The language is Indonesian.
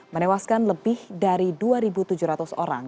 menewaskan lebih dari dua tujuh ratus orang